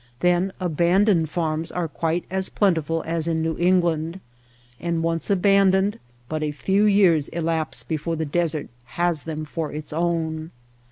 Then abandoned farms are quite as plentiful as in New England ; and once aban doned, but a few years elapse before the desert has them for its own.